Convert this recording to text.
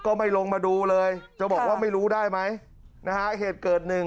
ก็ไม่ลงมาดูเลยจะบอกว่าไม่รู้ได้ไหมนะฮะเหตุเกิดหนึ่ง